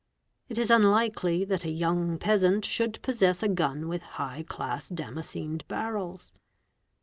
It is unlikely that a young peasant should possess | a gun with high class damascened barrels.